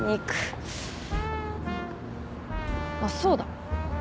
あっそうだ。